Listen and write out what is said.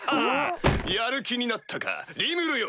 ・やる気になったかリムルよ！